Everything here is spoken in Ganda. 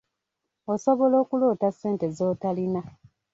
Osobola okuloota ssente z’otolina.